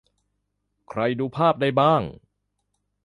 - ใครดูภาพได้บ้าง